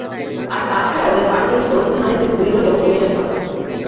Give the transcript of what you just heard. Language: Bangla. আর তা ছাড়া ওদের পরিবারিক গোরস্থান অনেকটা দূরে বলেও ও এটা ভাবছে।